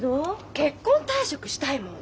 結婚退職したいもん。